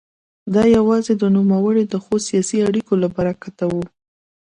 دا یوازې د نوموړي د ښو سیاسي اړیکو له برکته وه.